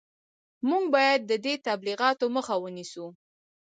موږ باید د دې تبلیغاتو مخه ونیسو